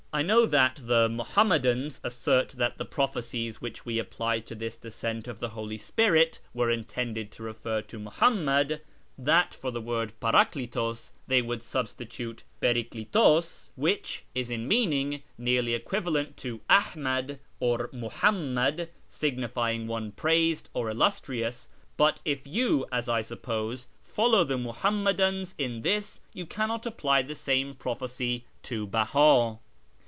I know that the ]\Iuhamniadans assert that the prophecies which we apply to this descent of the Holy Spirit were intended to refer to Muhammad ; that for the word •7rapdK\i]To<; they would substitute TrepiKXvro'?, which is in meaning nearly equivalent to Ahmad or Muhanunad, signify ing one ' praised,' or ' illustrious.' But if you, as I suppose, follow the Muhammadans in this, you cannot apply the same prophecy to Beh;i.